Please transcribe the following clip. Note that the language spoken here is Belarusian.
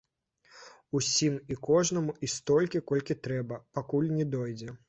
Усім і кожнаму і столькі, колькі трэба, пакуль не дойдзе!